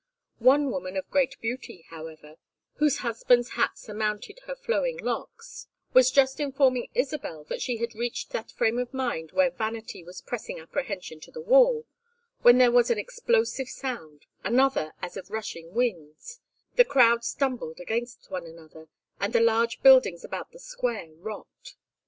One woman of great beauty, however, whose husband's hat surmounted her flowing locks, was just informing Isabel that she had reached that frame of mind where vanity was pressing apprehension to the wall, when there was an explosive sound, another as of rushing wings, the crowd stumbled against one another, and the large buildings about the square rocked.